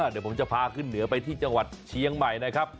เดี๋ยวผมจะพาขึ้นเหนือไปที่จังหวัดเชียงใหม่นะครับ